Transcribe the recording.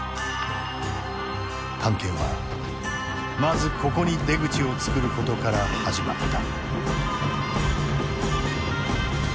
探検はまずここに出口を作ることから始まった。